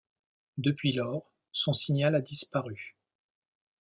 Depuis lors, son signal a disparu.